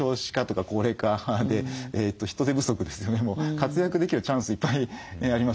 活躍できるチャンスいっぱいあります。